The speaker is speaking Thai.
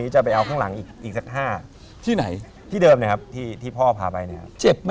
เหมือนฟังเข็ม